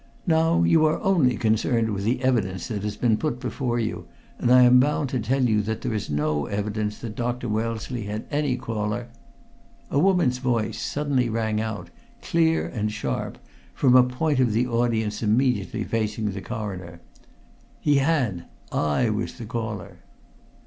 Now you are only concerned with the evidence that has been put before you, and I am bound to tell you that there is no evidence that Dr. Wellesley had any caller " A woman's voice suddenly rang out, clear and sharp, from a point of the audience immediately facing the Coroner. "He had! I was the caller!"